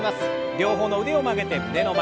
両方の腕を曲げて胸の前。